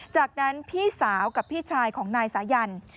จากนั้นพี่สาวกับพี่ชายของนายสายัน